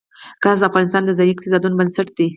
ګاز د افغانستان د ځایي اقتصادونو بنسټ دی.